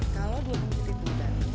kalau dua pun sedikit lebih dari lima